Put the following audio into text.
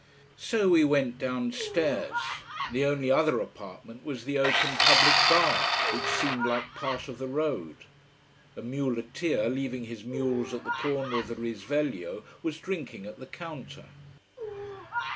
So we went downstairs. The only other apartment was the open public bar, which seemed like part of the road. A muleteer, leaving his mules at the corner of the Risveglio, was drinking at the counter.